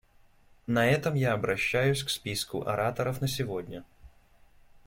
На этом я обращаюсь к списку ораторов на сегодня.